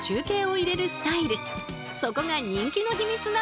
そこが人気の秘密なんです！